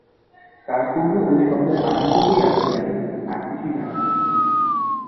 তার পূর্বে ঐ শব্দের বানানটুকুই আপনি জানেন, আর কিছুই জানেন না।